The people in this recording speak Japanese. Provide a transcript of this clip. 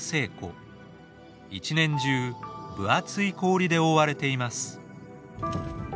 一年中分厚い氷で覆われています。